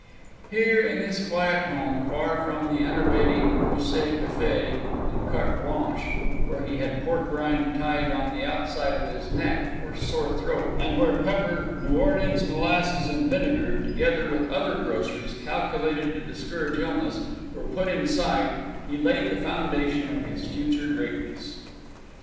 Here in this quiet home, far from the enervating poussé café and carte blanche, where he had pork rind tied on the outside of his neck for sore throat, and where pepper, New Orleans molasses and vinegar, together with other groceries calculated to discourage illness, were put inside, he laid the foundation of his future greatness.